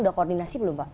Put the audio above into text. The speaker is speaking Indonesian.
sudah koordinasi belum pak